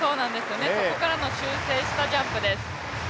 そこからの修正したジャンプです。